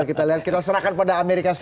kita lihat kita serahkan pada amerika serikat